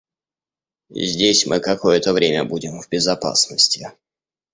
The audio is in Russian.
Здесь мы какое-то время будем в безопасноти.